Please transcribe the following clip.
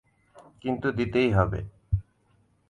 কিন্তু দিতেই হবে।